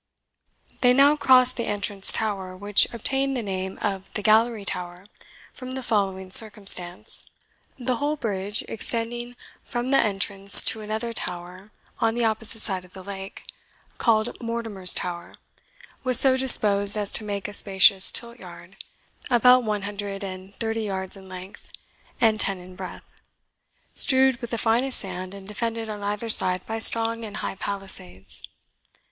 They now crossed the entrance tower, which obtained the name of the Gallery tower, from the following circumstance: The whole bridge, extending from the entrance to another tower on the opposite side of the lake, called Mortimer's Tower, was so disposed as to make a spacious tilt yard, about one hundred and thirty yards in length, and ten in breadth, strewed with the finest sand, and defended on either side by strong and high palisades.